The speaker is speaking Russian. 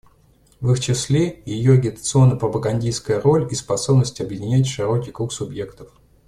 В их числе ее агитационно-пропагандистская роль и способность объединять широкий круг субъектов.